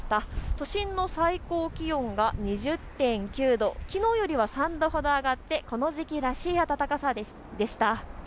都心の最高気温が２０．９度、きのうよりは３度ほど上がってこの時期らしい暖かさでした。